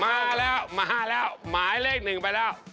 มาแล้วมาแล้วหมายเลขหนึ่งไปแล้ว